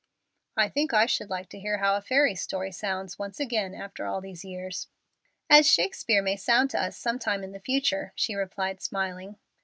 "I think I should like to hear how a fairy story sounds once again after all these years." "As Shakespeare may sound to us some time in the future," she replied, smiling.